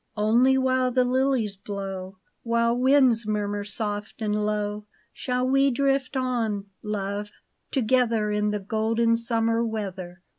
Only while the lilies blow, While winds murmur soft and low. Shall we drift on, love, together In the golden summer weather.